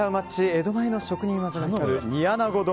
江戸前の職人技が光る煮穴子丼